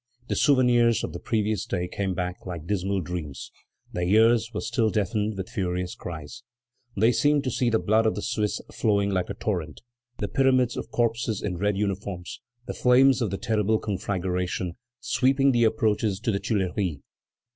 The souvenirs of the previous day came back like dismal dreams. Their ears were still deafened with furious cries. They seemed to see the blood of the Swiss flowing like a torrent, the pyramids of corpses in red uniforms, the flames of the terrible conflagration sweeping the approaches to the Tuileries.